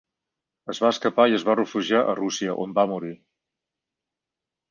Es va escapar i es va refugiar a Rússia on va morir.